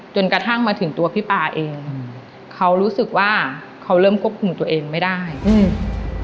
จนกระทั่งมาถึงตัวพี่ปาเองอืมเขารู้สึกว่าเขาเริ่มควบคุมตัวเองไม่ได้อืม